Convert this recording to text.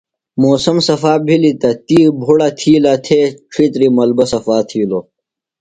موسم صفا بھِلیۡ تہ تی بھُڑہ تھِیلہ تھے ڇھیتری ملبہ صفاتھِیلو۔